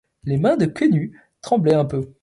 Les mains de Quenu tremblaient un peu.